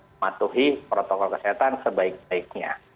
mematuhi protokol kesehatan sebaik baiknya